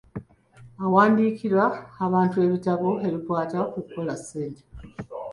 Awandiikira abantu ebitabo ebikwata ku kukola ssente.